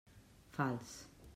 Fals.